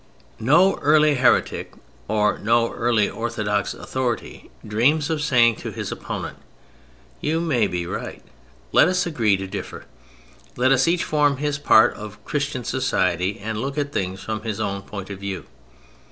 No early heretic or no early orthodox authority dreams of saying to his opponent: "You may be right! Let us agree to differ. Let us each form his part of 'Christian society' and look at things from his own point of view."